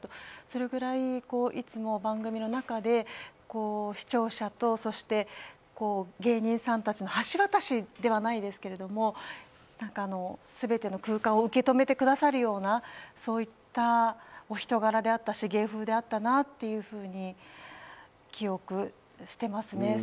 それぐらいいつも番組の中で視聴者と芸人さんたちの橋渡しではないですけれど、すべての空間を受け止めてくださるような、そういったお人柄であったし、芸風であったなっていうふうに記憶していますね。